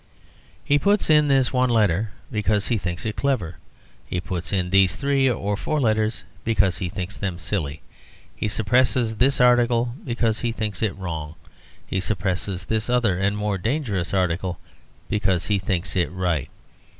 He puts in this one letter because he thinks it clever. He puts in these three or four letters because he thinks them silly. He suppresses this article because he thinks it wrong. He suppresses this other and more dangerous article because he thinks it right.